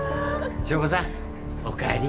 祥子さんお帰り。